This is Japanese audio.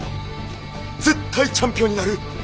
絶対チャンピオンになる！